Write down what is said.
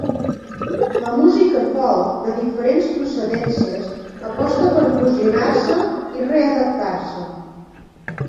La música folk de diferents procedències aposta per fusionar-se i readaptar-se.